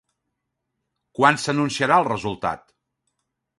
Quan s'anunciarà el resultat?